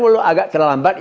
walaupun agak terlambat